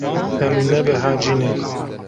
Em nebehecî ne.